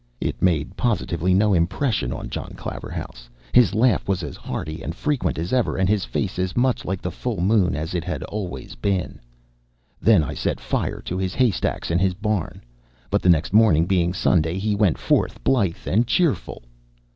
It made positively no impression on John Claverhouse. His laugh was as hearty and frequent as ever, and his face as much like the full moon as it always had been. Then I set fire to his haystacks and his barn. But the next morning, being Sunday, he went forth blithe and cheerful.